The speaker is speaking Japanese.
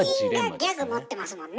全員がギャグ持ってますもんね。